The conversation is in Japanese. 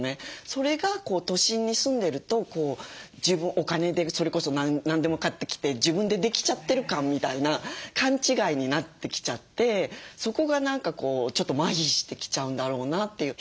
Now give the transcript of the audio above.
それが都心に住んでるとお金でそれこそ何でも買ってきて自分でできちゃってる感みたいな勘違いになってきちゃってそこが何かちょっとまひしてきちゃうんだろうなっていう。